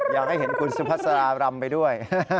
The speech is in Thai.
อยากให้เห็นคุณสุภาษารำไปด้วย